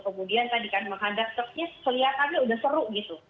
kemudian tadi kan menghadang truknya kelihatannya sudah seru gitu